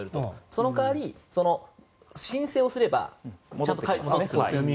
その代わり、申請をすればちゃんと戻ってくるんです。